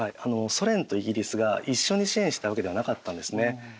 ソ連とイギリスが一緒に支援したわけではなかったんですね。